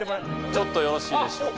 ちょっとよろしいでしょうか。